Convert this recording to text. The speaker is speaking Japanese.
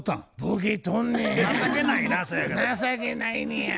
情けないねや。